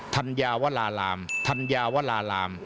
ธัญญาวลารามธัญญาวลาลาม